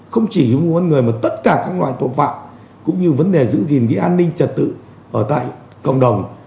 không chỉ mua bán người mà tất cả các loại tội phạm cũng như vấn đề giữ gìn cái an ninh trật tự ở tại cộng đồng